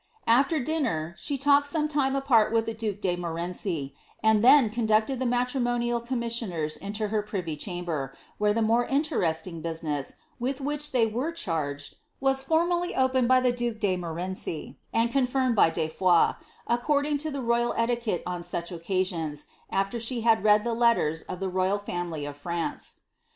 After din ner, she talked some time apart with the duke de Monlmorenci; anil then conducted the matrimonial commissioners into her privy chamber, where the more interesting business, with which they were cliarged, was formally opened by the duke de Montjnorenci, and confirmed by De Foix, according to the royal etiquette on such occasions, after sbs had read the letters of (he royal family of France.